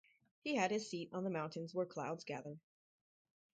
He had his seat on the mountains where clouds gather.